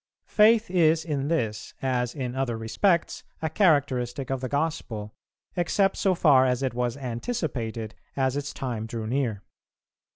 Faith is in this, as in other respects, a characteristic of the Gospel, except so far as it was anticipated, as its time drew near.